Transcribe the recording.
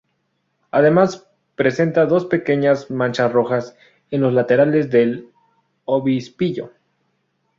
Además presenta dos pequeñas manchas rojas en los laterales del obispillo.